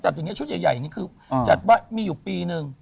จัดอย่างนี้ชุดใหญ่คือจัดว่างี้มีอยู่ปีนึง